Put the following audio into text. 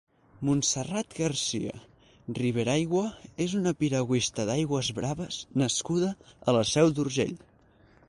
Montserrat Garcia Riberaygua és una piragüista d'aigües braves nascuda a la Seu d'Urgell.